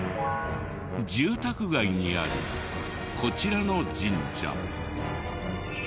住宅街にあるこちらの神社。